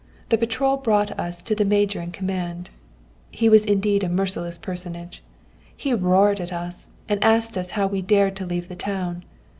The patrol brought us to the major in command. He was indeed a merciless personage. He roared at us, and asked us how we dared to leave the town.